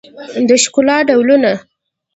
د ښکلا ډولونه